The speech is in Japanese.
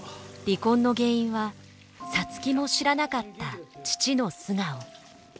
離婚の原因は皐月も知らなかった父の素顔。